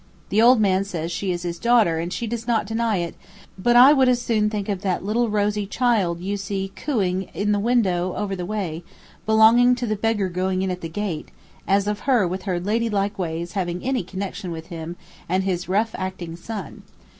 The old man says she is his daughter and she does not deny it, but I would as soon think of that little rosy child you see cooing in the window over the way, belonging to the beggar going in at the gate, as of her with her lady like ways having any connection with him and his rough acting son.